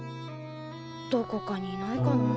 どこかにいないかなあ。